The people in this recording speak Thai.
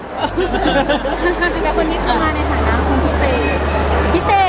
แล้ววันนี้เขามาในถ่ายน้ำคนพิเศษ